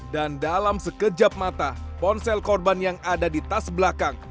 dan dalam sekejap mata ponsel korban yang ada di tas belakang